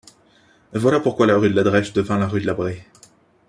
Voilà pourquoi la rue de la Drèche devint la rue de la Braie.